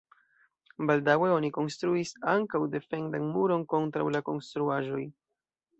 Baldaŭe oni konstruis ankaŭ defendan muron kontraŭ la konstruaĵoj.